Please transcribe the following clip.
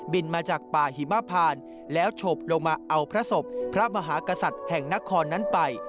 มาจากป่าหิมพานแล้วฉบลงมาเอาพระศพพระมหากษัตริย์แห่งนครนั้นไป